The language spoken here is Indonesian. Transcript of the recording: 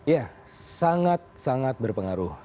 ya sangat sangat berpengaruh